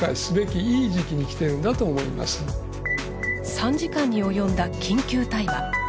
３時間に及んだ緊急対話。